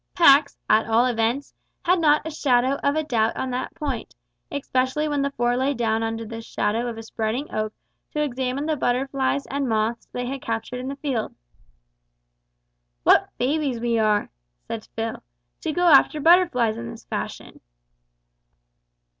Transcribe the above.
Pax, at all events, had not a shadow of a doubt on that point, especially when the four lay down under the shadow of a spreading oak to examine the butterflies and moths they had captured in the fields. "What babies we are," said Phil, "to go after butterflies in this fashion!"